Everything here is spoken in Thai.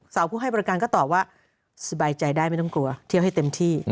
ผู้ให้บริการก็ตอบว่าสบายใจได้ไม่ต้องกลัวเที่ยวให้เต็มที่